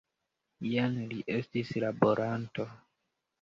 Jen li estis laboranto!